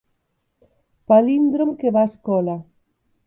Palíndrom que va a escola.